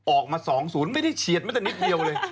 ออกมา๒๐ไม่ได้เฉียดแม้แต่นิดเดียวเลย